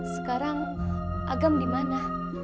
sekarang agam di mana